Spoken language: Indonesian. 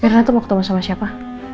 firna tuh mau ketemu sama siapa